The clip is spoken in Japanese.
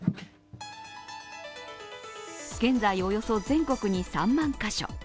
現在およそ全国に３万カ所。